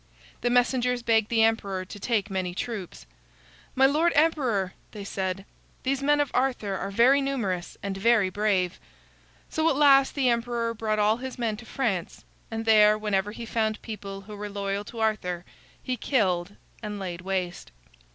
The messengers begged the emperor to take many troops. "My lord emperor," they said, "these men of Arthur are very numerous and very brave." So at last the emperor brought all his men to France, and there, whenever he found people who were loyal to Arthur, he killed and laid waste.